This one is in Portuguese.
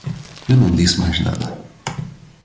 Eu não disse mais nada.